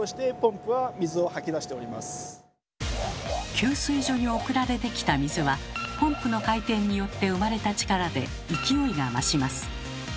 給水所に送られてきた水はポンプの回転によって生まれた力で勢いが増します。